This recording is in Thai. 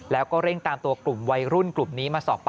แล้วก็เร่งตามตัวกลุ่มวัยรุ่นกลุ่มนี้มาสอบปากคำ